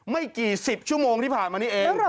ไม่กี่๑๐ชั่วโมงที่ผ่านมานี้เอง